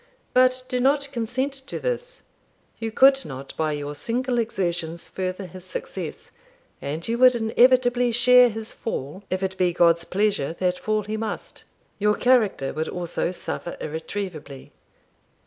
But do not consent to this; you could not, by your single exertions, further his success, and you would inevitably share his fall, if it be God's pleasure that fall he must. Your character would also suffer irretrievably.